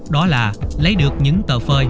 đó là lấy được những tờ phơi